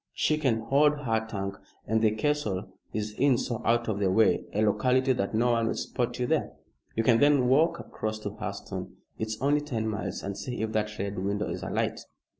She can hold her tongue, and the castle is in so out of the way a locality that no one will spot you there. You can then walk across to Hurseton it's only ten miles and see if that Red Window is alight."